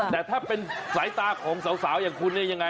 แต่ถ้าเป็นสายตาของสาวอย่างคุณเนี่ยยังไง